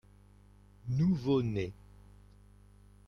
Nouveau-né.